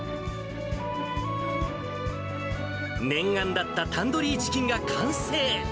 念願だったタンドリーチキンが完成。